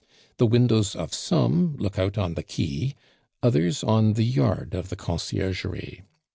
The windows of some look out on the quay, others on the yard of the Conciergerie.